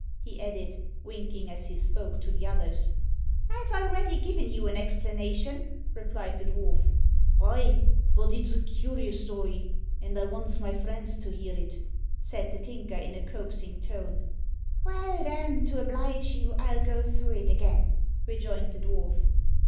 he added, winking as he spoke to the others. "I've already given you an explanation," replied the dwarf. "Av, but it's a cur'ous story, and I vants my friends to hear it," said the Tinker, in a coaxing tone. "Well then, to oblige you, I'll go through it again," rejoined the dwarf.